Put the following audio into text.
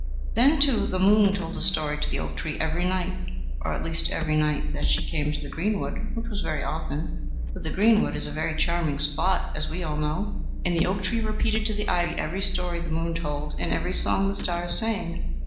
Then, too, the moon told a story to the oak tree every night, or at least every night that she came to the greenwood, which was very often, for the greenwood is a very charming spot, as we all know. And the oak tree repeated to the ivy every story the moon told and every song the stars sang.